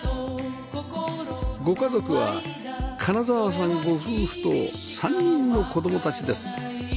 ご家族は金澤さんご夫婦と３人の子供たちです